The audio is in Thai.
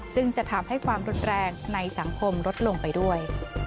ซึ่งจะทำให้ความรุนแรงในสังคมลดลงไปด้วย